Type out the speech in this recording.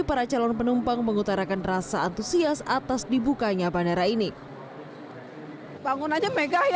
para calon penumpang mengutarakan rasa antusias atas dibukanya bandara ini bangun aja megah ya